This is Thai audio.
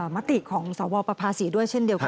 มติของสวประภาษีด้วยเช่นเดียวกัน